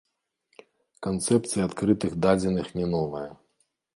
Канцэпцыя адкрытых дадзеных не новая.